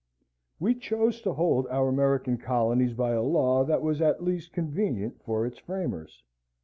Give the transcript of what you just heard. We chose to hold our American colonies by a law that was at least convenient for its framers.